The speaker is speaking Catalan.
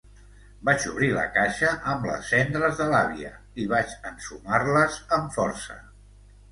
Vaig obrir la caixa amb les cendres de l'àvia i vaig ensumar-les amb força.